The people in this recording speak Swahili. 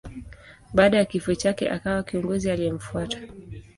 Baada ya kifo chake akawa kiongozi aliyemfuata.